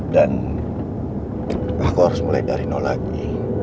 dan aku harus mulai dari now lagi